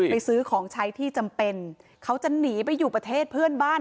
ซื้อของใช้ที่จำเป็นเขาจะหนีไปอยู่ประเทศเพื่อนบ้าน